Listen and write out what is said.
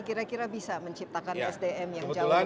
kira kira bisa menciptakan sdm yang jauh lebih